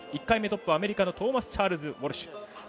１回目トップはアメリカのトーマスチャールズ・ウォルシュ。